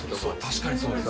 確かにそうです。